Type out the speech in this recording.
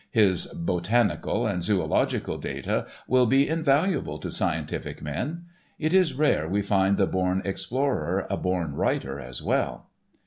His botanical and zoological data will be invaluable to scientific men. It is rare we find the born explorer a born writer as well."